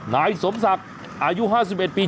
นายสมศักดิ์อายุ๕๑ปี